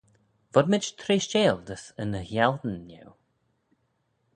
Vodmayd treishteil dys yn ghialdyn eu?